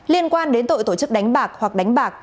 liên quan đến tội tổ chức đánh bạc hoặc đánh bạc